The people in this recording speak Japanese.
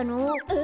え？